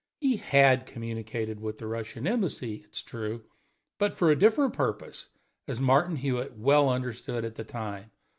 He had communicated with the Russian Embassy, it is true, but for quite a different purpose, as Martin Hewitt well understood at the time.